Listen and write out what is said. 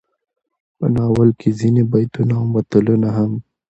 په ناول کې ځينې بيتونه او متلونه هم